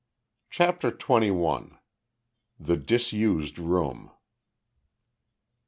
CHAPTER TWENTY ONE. THE DISUSED ROOM.